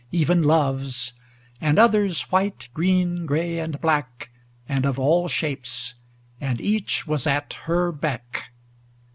Even Love's ; and others white, green, gray, and black. And of all shapes ŌĆö and each was at her beck.